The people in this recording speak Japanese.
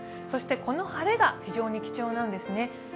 そしてこの晴れが非常に貴重なんですね。